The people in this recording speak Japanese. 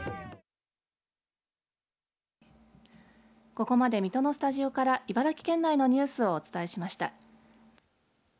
ここまで水戸のスタジオから茨城県内のニュースをお伝えしました。